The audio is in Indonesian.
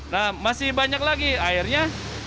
nah masih banyak lagi airnya